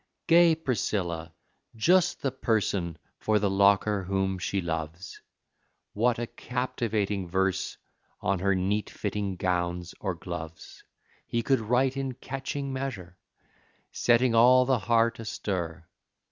Gay Priscilla just the person For the Locker whom she loves; What a captivating verse on Her neat fitting gowns or gloves He could write in catching measure, Setting all the heart astir!